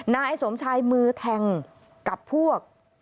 นายสมชายมือแทงกับพวก